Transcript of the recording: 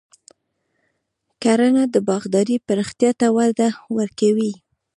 کرنه د باغدارۍ پراختیا ته وده ورکوي.